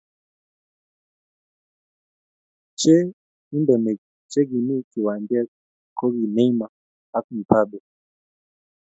Che kindonik che kimii kiwanchet ko kii Neymar ak Mbappe.